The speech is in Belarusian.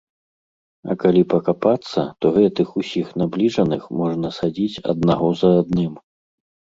А калі пакапацца, то гэтых усіх набліжаных можна садзіць аднаго за адным.